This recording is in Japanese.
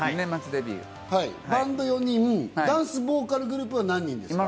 バンド４人、ダンスボーカルグループは何人ですか？